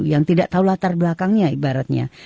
yang tidak tahu latar belakangnya ibaratnya